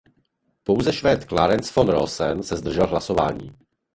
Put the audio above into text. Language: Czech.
Pouze Švéd Clarence von Rosen se zdržel hlasování.